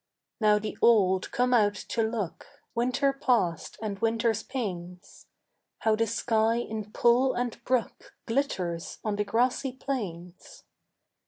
Now the old come out to look, Winter past and winter's pains. How the sky in pool and brook Glitters on the grassy plains.